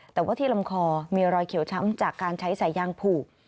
แต่ว่าที่ลำคอมีรอยเขียวช้ำจากการใช้สายยางผูก